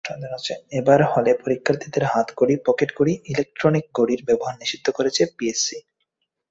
এবার হলে পরীক্ষার্থীদের হাতঘড়ি, পকেট ঘড়ি, ইলেকট্রনিক ঘড়ির ব্যবহার নিষিদ্ধ করেছে পিএসসি।